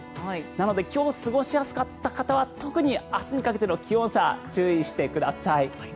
なので今日過ごしやすかった方は特に明日にかけての気温差注意してください。